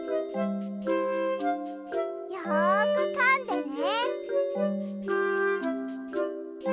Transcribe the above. よくかんでね。